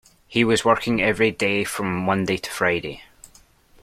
He was working every day from Monday to Friday